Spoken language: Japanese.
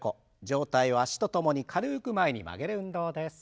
上体を脚と共に軽く前に曲げる運動です。